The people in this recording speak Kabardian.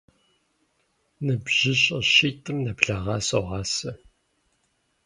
НыбжьыщӀэ щитӏым нэблагъэ согъасэ.